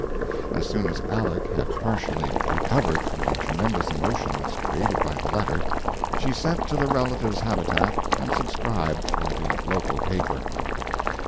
_ As soon as Aleck had partially recovered from the tremendous emotions created by the letter, she sent to the relative's habitat and subscribed for the local paper.